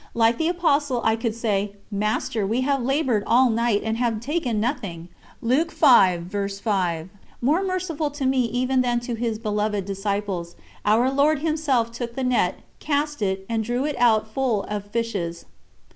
Like the Apostle I could say: "Master, we have laboured all night, and have taken nothing." More merciful to me even than to His beloved disciples, Our Lord Himself took the net, cast it, and drew it out full of fishes.